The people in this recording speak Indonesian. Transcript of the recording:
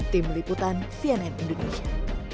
tim liputan cnn indonesia